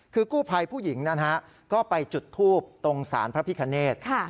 คือกู้ภัยผู้หญิงนะฮะก็ไปจุดทูบตรงศาลพระพิคเนธ